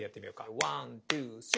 ワントゥースリー。